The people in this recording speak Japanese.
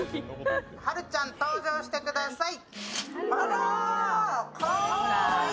はるちゃん登場してください。